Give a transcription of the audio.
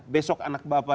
besok anak bapak